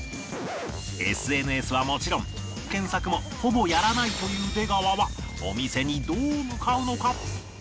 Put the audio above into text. ＳＮＳ はもちろん検索もほぼやらないという出川はお店にどう向かうのか？